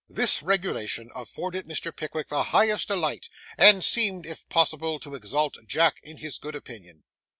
This regulation afforded Mr. Pickwick the highest delight, and seemed, if possible, to exalt Jack in his good opinion.